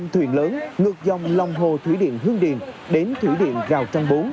năm thuyền lớn ngược dòng lòng hồ thủy điện hương điền đến thủy điện rào trăng bốn